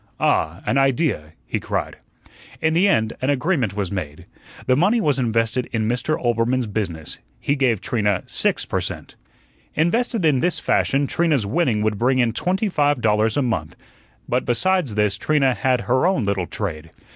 "Ah, an idea," he cried. In the end an agreement was made. The money was invested in Mr. Oelbermann's business. He gave Trina six per cent. Invested in this fashion, Trina's winning would bring in twenty five dollars a month. But, besides this, Trina had her own little trade.